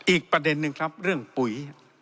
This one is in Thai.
อีกประเด็นนึงครับเรื่องปุ๋ย